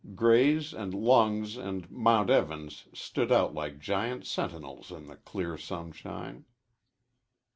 Grey's and Long's and Mount Evans stood out like giant sentinels in the clear sunshine.